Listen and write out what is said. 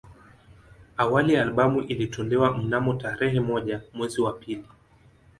Awali albamu ilitolewa mnamo tarehe moja mwezi wa pili